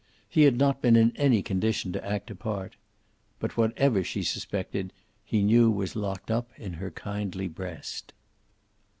He had not been in any condition to act a part. But whatever she suspected he knew was locked in her kindly breast.